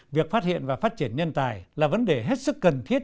việc phát hiện và phát triển nhân tài là vấn đề hết sức cần thiết